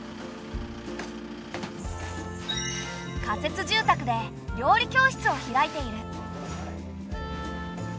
仮設住宅で料理教室を開いている。